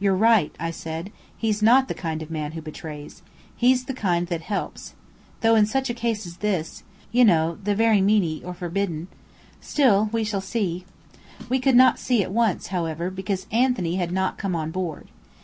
"You're right," I said. "He's not the kind of man who betrays. He's the kind that helps. Though in such a case as this you know, the very meaning of the word "harem" is "sacred" or "forbidden." Still we shall see!" We could not "see" at once, however, because Anthony had not come on board.